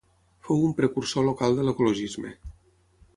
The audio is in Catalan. Fou un precursor local de l'ecologisme.